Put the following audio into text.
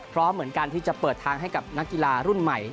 พร้อมเหมือนกันที่จะเปิดทางให้กับนักกีฬารุ่นใหม่